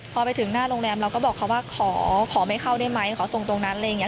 พอไปถึงหน้าโรงแรมเราก็บอกเขาว่าขอไม่เข้าได้ไหมขอส่งตรงนั้นอะไรอย่างนี้